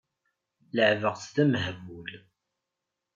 Leɛbeɣ-tt d amehbul.